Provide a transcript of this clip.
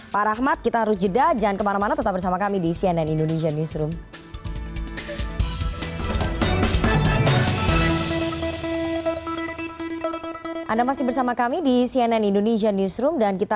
pak rahmat kita harus jeda jangan kemana mana tetap bersama kami di cnn indonesian newsroom